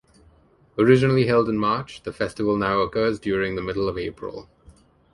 Originally held in March, the festival now occurs during the middle of April.